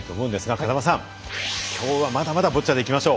風間さん、きょうはまだまだボッチャでいきましょう。